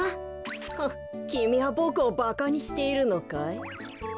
フッきみはボクをバカにしているのかい？